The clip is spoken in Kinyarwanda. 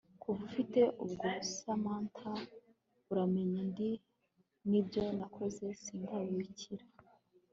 kuva ufite ubwobaSamantha uramenye di nibyo nakoze sindabikira